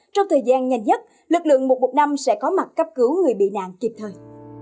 trong thời gian nhanh nhất lực lượng một trăm một mươi năm sẽ có mặt cấp cứu người bị nạn kịp thời